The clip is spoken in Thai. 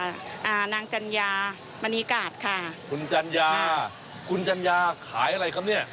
อ่านางจัญญามณีกาศค่ะคุณจัญญาคุณจัญญาขายอะไรครับเนี้ย